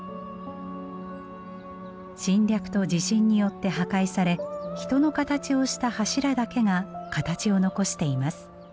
侵略と地震によって破壊され人の形をした柱だけが形を残しています。